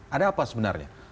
ada apa sebenarnya